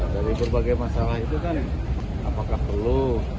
dari berbagai masalah itu kan apakah perlu